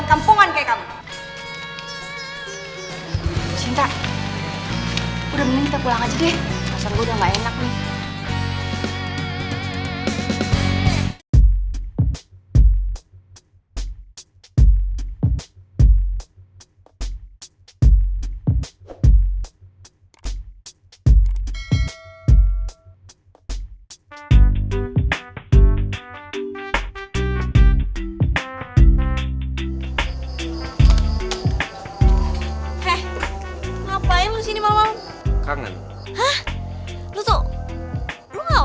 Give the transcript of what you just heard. sebesar bumi itu katamu